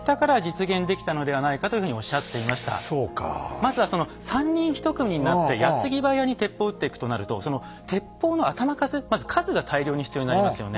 まずはその３人１組になって矢継ぎ早に鉄砲を撃っていくとなるとまず数が大量に必要になりますよね。